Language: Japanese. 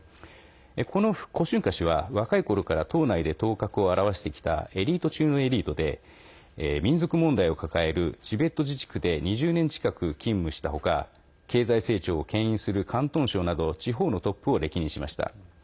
この胡春華氏は、若いころから党内で頭角を現してきたエリート中のエリートで民族問題を抱えるチベット自治区で２０年近く勤務したほか経済成長をけん引する広東省など地方のトップを歴任しました。